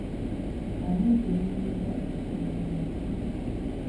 Ani gwe nnyinza okusomeramu?